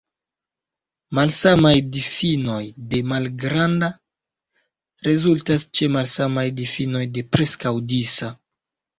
Malsamaj difinoj de "malgranda" rezultas ĉe malsamaj difinoj de "preskaŭ disa".